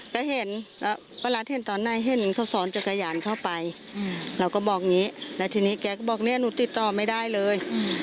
ก็เห็นแล้วป้ารัฐเห็นตอนไหนเห็นเขาสอนจักรยานเข้าไปเราก็บอกอย่างนี้แล้วทีนี้แกก็บอกเนี่ยหนูติดต่อไม่ได้เลย